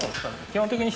基本的に。